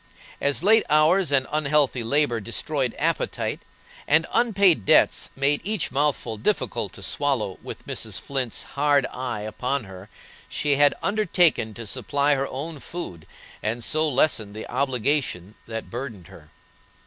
As late hours and unhealthy labor destroyed appetite, and unpaid debts made each mouthful difficult to swallow with Mrs. Flint's hard eye upon her, she had undertaken to supply her own food, and so lessen the obligation that burdened her.